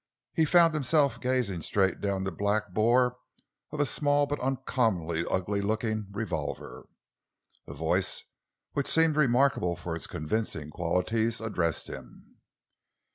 He found himself gazing straight down the black bore of a small but uncommonly ugly looking revolver. A voice which seemed remarkable for its convincing qualities, addressed him.